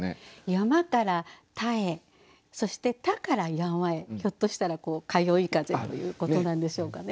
山から田へそして田から山へひょっとしたら「かよいかぜ」ということなんでしょうかね？